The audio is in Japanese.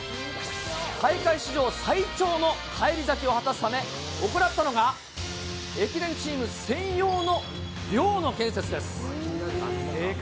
大会史上最長の返り咲きを果たすため、行ったのが、駅伝チーム専用の寮の建設です。